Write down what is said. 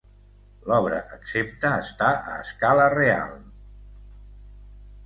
L'obra exempta està a escala real.